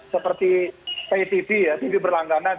seperti pay tv ya tv berlangganan